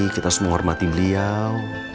kita harus menghormati beliau